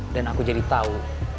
dan aku jadi tau